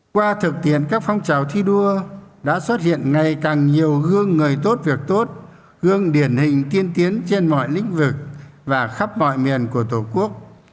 qua thực tiện các phong trào thi đua đã xuất hiện ngày càng nhiều gương người tốt việc tốt gương điển hình tiên tiến trên mọi lĩnh vực và khắp mọi miền của tổ quốc